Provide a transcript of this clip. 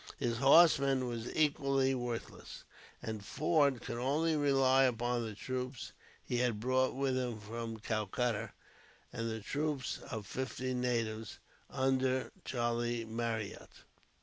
His horsemen were equally worthless, and Forde could only rely upon the troops he had brought with him from Calcutta, and the troop of fifty natives under Charlie Marryat.